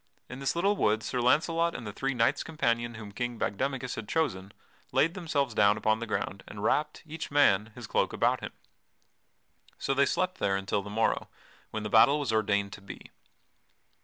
In this little wood Sir Launcelot and the three knights companion whom King Bagdemagus had chosen laid themselves down upon the ground and wrapped, each man, his cloak about him. So they slept there until the morrow, when the battle was ordained to be.